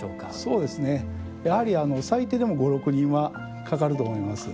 そうですねやはり最低でも５６人はかかると思います。